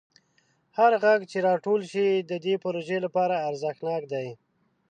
هر غږ چې راټول شي د دې پروژې لپاره ارزښتناک دی.